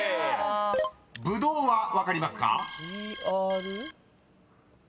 ［ブドウは分かりますか？］